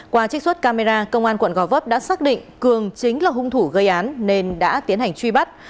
qua trích xuất camera công an quận gò vấp đã xác định cường chính là hung thủ gây án nên đã tiến hành truy bắt